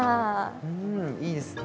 うんいいですね。